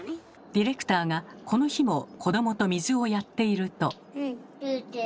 ディレクターがこの日も子どもと水をやっていると。